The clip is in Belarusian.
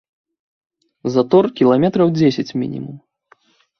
Затор кіламетраў дзесяць мінімум.